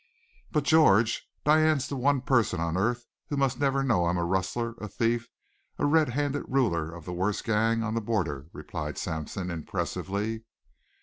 "But, George, Diane's the one person on earth who must never know I'm a rustler, a thief, a red handed ruler of the worst gang on the border," replied Sampson impressively.